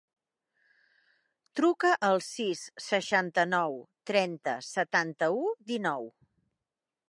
Truca al sis, seixanta-nou, trenta, setanta-u, dinou.